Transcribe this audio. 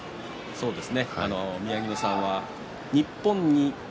そうです。